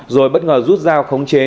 rồi bất ngờ rút ra khống chế